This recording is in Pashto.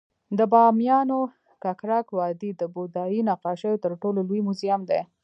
د بامیانو ککرک وادي د بودايي نقاشیو تر ټولو لوی موزیم دی